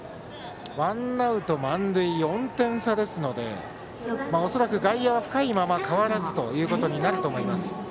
ワンアウト満塁、４点差ですので恐らく外野は深いまま代わらずということになると思います。